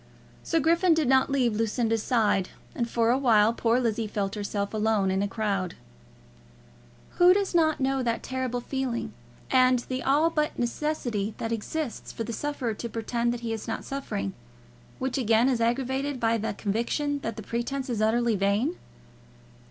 Sir Griffin did not leave Lucinda's side, and for a while poor Lizzie felt herself alone in a crowd. Who does not know that terrible feeling, and the all but necessity that exists for the sufferer to pretend that he is not suffering, which again is aggravated by the conviction that the pretence is utterly vain?